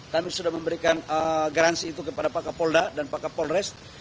kami sudah memberikan garansi itu kepada pak kapolda dan pak kapolres